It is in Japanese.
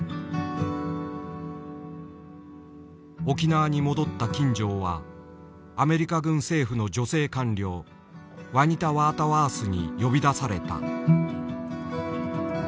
沖縄に戻った金城はアメリカ軍政府の女性官僚ワニタ・ワータワースに呼び出された。